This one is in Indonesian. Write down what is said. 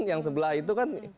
yang sebelah itu kan